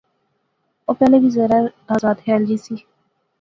او پہلے وی ذرا آزاد خیال جئی سی